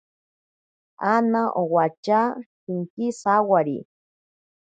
Ana owacha shinki sawari.